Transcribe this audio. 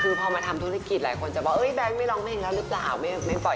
คือพอมาทำธุรกิจหลายคนจะบอกแบงค์ไม่ร้องเพลงแล้วหรือเปล่าไม่ปล่อย